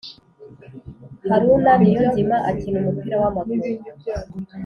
Haruna niyonzima akina umupira wamaguru